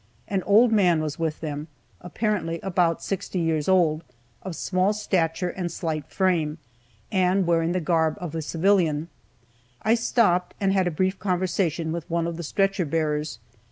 An old man was with them, apparently about sixty years old, of small stature and slight frame, and wearing the garb of a civilian. I stopped, and had a brief conversation with one of the stretcher bearers.